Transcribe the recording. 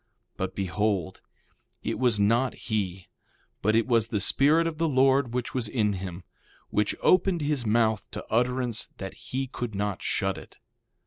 But behold, it was not he, but it was the Spirit of the Lord which was in him, which opened his mouth to utterance that he could not shut it.